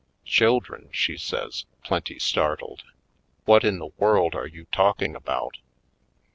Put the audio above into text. "Children!" she says, plenty startled. "What in the world are you talking about?"